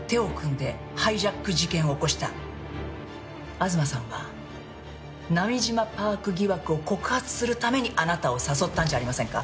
東さんは波島パーク疑惑を告発するためにあなたを誘ったんじゃありませんか？